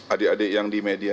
adik adik yang di media